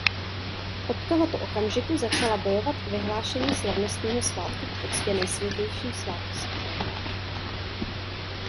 Od tohoto okamžiku začala bojovat o vyhlášení slavnostního svátku k poctě Nejsvětější svátosti.